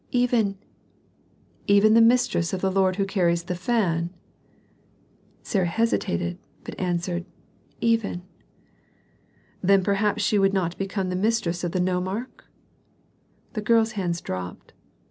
"Even " "Even the mistress of the lord who carries the fan?" Sarah hesitated, but answered, "Even." "Then perhaps she would not become the mistress of the nomarch?" The girl's hands dropped.